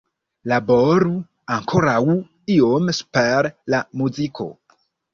Laboru ankoraŭ iom super la muziko.